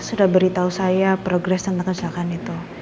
sudah beritahu saya progress tentang kecelakaan itu